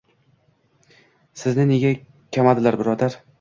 — Sizni nega kamadilar, birodar?